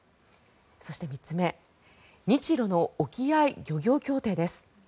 そして、３つ目日ロの沖合漁業協定です。